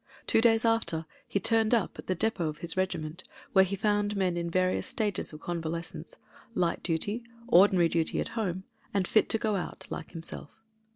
Two days after he turned up at the depot of his regiment, where he foiuid men in various stages of convalescence — ^light duty, ordinary duty at home, and fit to go out like himself.